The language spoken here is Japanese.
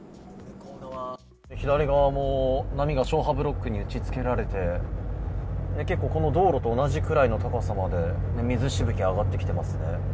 左側も波が消波ブロックに打ち付けられて、この道路と同じぐらいの高さまで水しぶきが上がってきていますね。